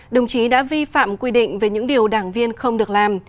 đồng chí đã vi phạm quy định về những điều đảng viên không được làm